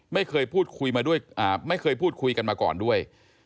ไม่เคยพูดคุยมาด้วยไม่เคยพูดคุยกันมาก่อนด้วย